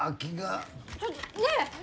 ちょっとねえ！